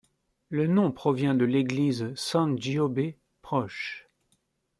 Le nom provient de l'Église San Giobbe, proche.